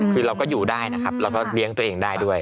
คือเราก็อยู่ได้นะครับเราก็เลี้ยงตัวเองได้ด้วย